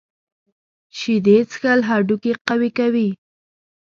شیدې څښل هډوکي قوي کوي.